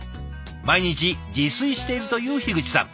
毎日自炊しているという口さん。